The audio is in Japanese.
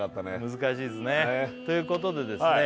難しいすねということでですね